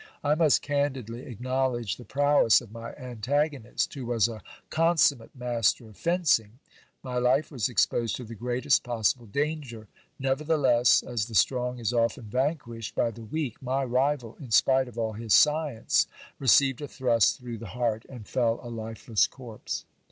I must candidly acknowledge the prowess of my antagonist, who was a consummate master of fencing. My life was exposed to the greatest possible danger. Nevertheless, as the strong is often vanquished by the weak, my rival, in spite of all his science, received a thrust through the heart, and fell a lifeless corpse.